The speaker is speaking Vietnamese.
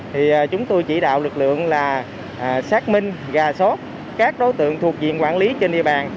thì chúng tôi chỉ đạo lực lượng là xác minh gà sót các đối tượng thuộc diện quản lý trên địa bàn